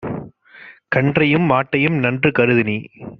கன்றையும் மாட்டையும் நன்று கருதுநீ